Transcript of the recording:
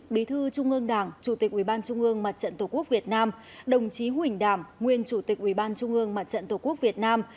bí thư trung ương đảng chủ tịch ubnd mặt trận tổ quốc việt nam đồng chí huỳnh đảm nguyên chủ tịch ubnd mặt trận tổ quốc việt nam